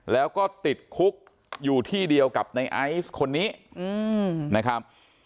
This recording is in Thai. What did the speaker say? แล้วก็ติดคุกอยู่ที่เดียวกับในไอซ์คนนี้นะครับ